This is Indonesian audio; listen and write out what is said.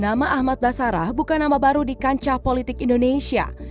nama ahmad basarah bukan nama baru di kancah politik indonesia